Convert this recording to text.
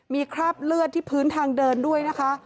มีคราบเลือดที่พื้นทางเดินด้วยนะคะ